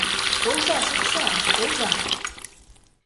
Толза, шичса, толза.